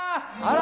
あ！